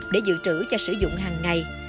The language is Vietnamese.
để dự trữ cho sử dụng hằng ngày